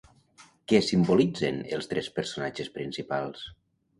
Què simbolitzen els tres personatges principals?